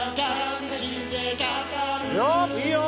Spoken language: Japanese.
いいよ！